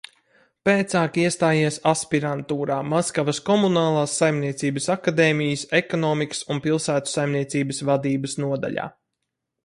Pēcāk iestājies aspirantūrā Maskavas Komunālās saimniecības akadēmijas Ekonomikas un pilsētu saimniecības vadības nodaļā.